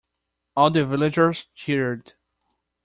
All the villagers cheered.